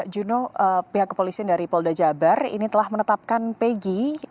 juno pihak kepolisian dari polda jabar ini telah menetapkan peggy